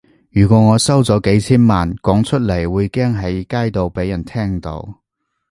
如果我收咗幾千萬，講出嚟會驚喺街度畀人聽到